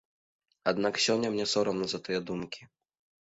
Аднак сёння мне сорамна за тыя думкі.